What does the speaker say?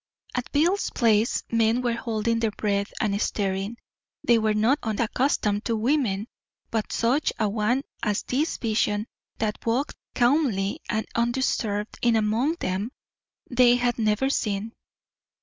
At Bill's place men were holding their breath and staring. They were not unaccustomed to women. But such a one as this vision that walked calmly and undisturbed in among them they had never seen.